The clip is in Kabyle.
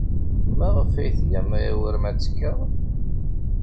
Maɣef ay tgam aya war ma ttekkaɣ?